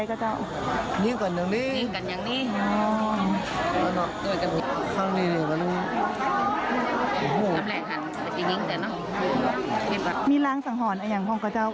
พระเจ้าที่อยู่ในเมืองของพระเจ้า